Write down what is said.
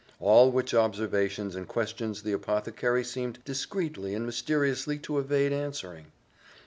All which observations and questions the apothecary seemed discreetly and mysteriously to evade answering.